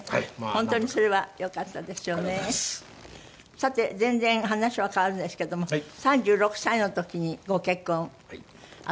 さて全然話は変わるんですけども３６歳の時にご結婚あそばしまして。